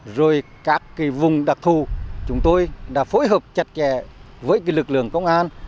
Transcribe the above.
rồi các vùng đặc thù chúng tôi đã phối hợp chặt chẽ với lực lượng công an